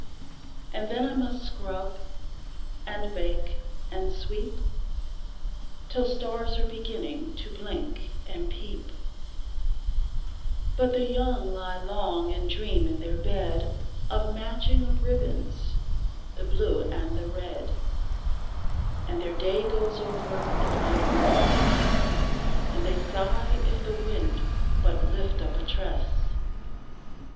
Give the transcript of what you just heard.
And then I must scrub, and bake, and sweep, Till stars are beginning to blink and peep; But the young lie long and dream in their bed Of the matching of ribbons, the blue and the red, And their day goes over in idleness, And they sigh if the wind but lift up a tress.